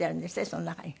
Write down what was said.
その中に。